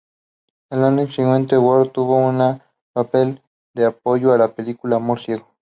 Al año siguiente, Ward tuvo una papel de apoyo en la película "Amor ciego".